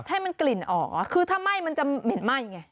ให้มันกลิ่นอ๋อคือถ้าไหม้มันจะเหม็นไหม้ไง